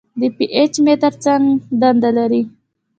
د پي ایچ متر څه دنده لري.